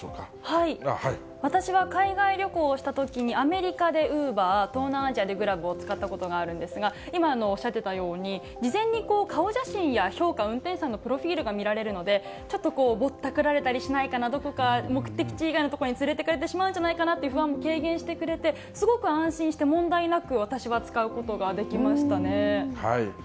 私は海外旅行をしたときに、アメリカでウーバー、東南アジアでグラブを使ったことがあるんですが、今おっしゃってたように、事前に顔写真や評価、運転手さんのプロフィールが見られるので、ちょっとぼったくられたりしないかな、どこか目的地以外の所に連れていかれてしまうんじゃないかなという不安、軽減してくれて、すごく安心して問題なく、そうですよね。